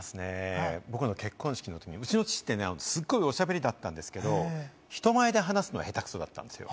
僕の結婚式のときに、僕の父ってすごい、おしゃべりだったんですけれど、人前で話すの下手くそだったんですよ。